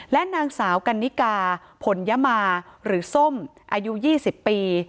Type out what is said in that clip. และนางสาวกันนิกาผลยมาหรือส้มอายุ๒๐ปี